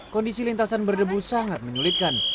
kondisi lintasan berdebu sangat menyulitkan